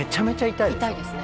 痛いですね。